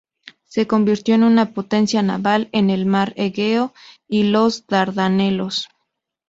Se convirtió en una potencia naval en el mar Egeo y los Dardanelos.